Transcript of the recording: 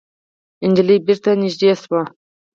نجلۍ بېرته نږدې شوه.